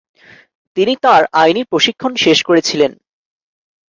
তিনি তাঁর আইনি প্রশিক্ষণ শেষ করেছিলেন।